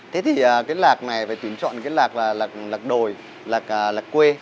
thế thì cái lạc này phải tuyển chọn cái lạc là lạc đồi lạc quê